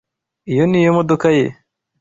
Iyo niyo modoka ye.